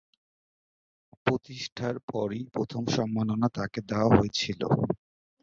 প্রতিষ্ঠার পরই প্রথম সম্মাননা তাকে দেওয়া হয়েছিল।